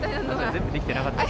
全部できてなかった？